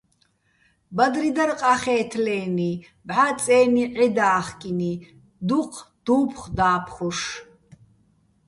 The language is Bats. ბადრი დარ ყახე́თლენი ბჵა წე́ნი ჺედა́ხკი́ნი̆, დუჴ დუ́ფხო̆ და́ფხუშ.